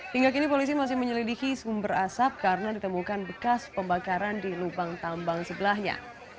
hingga kini polisi masih menyelidiki sumber asap karena ditemukan bekas pembakaran di lubang tambang sebelahnya